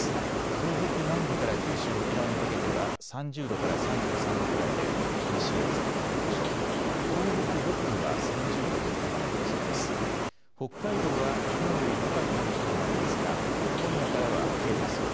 東北南部から九州、沖縄にかけては３０度から３３度くらいで厳しい暑さが続くでしょう。